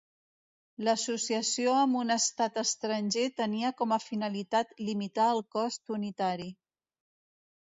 L'associació amb un estat estranger tenia com a finalitat limitar el cost unitari.